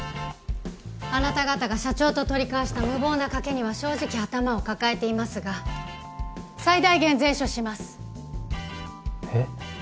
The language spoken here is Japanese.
あなた方が社長と取り交わした無謀な賭けには正直頭を抱えていますが最大限善処しますえっ？